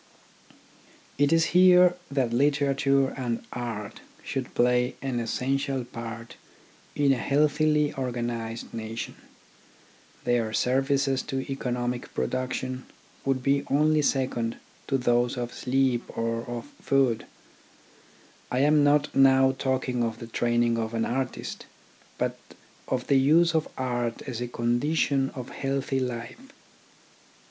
It is here that literature and art should play an essential part in a healthily organised nation. Their services to economic production would be only second to those of sleep or of food. I am not now talking of the training of an artist, but of the use of art as a condition of healthy life.